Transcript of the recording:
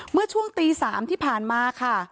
เมื่อช่วงตี๓ที่ผ่านมาค่ะ